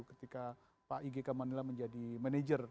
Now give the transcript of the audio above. ketika pak ig ke manila menjadi manajer